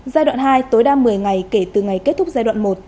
giai đoạn hai tối đa một mươi ngày kể từ ngày kết thúc giai đoạn một